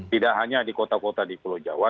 tidak hanya di kota kota di pulau jawa